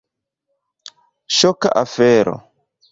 Ŝoka afero.